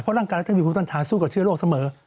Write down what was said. เพราะร่างกายเราจะมีภูมิต้านฐานสู้กับเชื้อโรคเสมอ